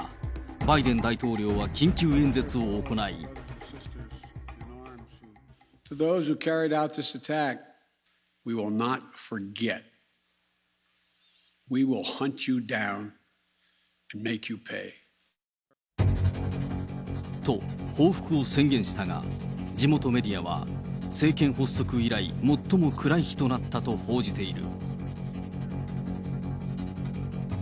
バイデン大統領は緊急演説を行い。と、報復を宣言したが、地元メディアは、政権発足以来、最も暗い日となったと報じている。